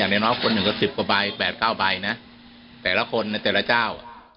๘๙ใบนะแต่ละคนแต่ละเจ้า